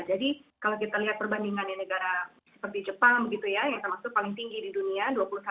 jadi kalau kita lihat perbandingan negara seperti jepang gitu ya yang sama sekali paling tinggi di dunia dua puluh satu satu persen